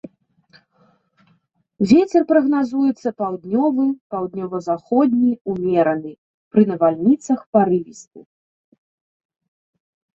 Вецер прагназуецца паўднёвы, паўднёва-заходні ўмераны, пры навальніцах парывісты.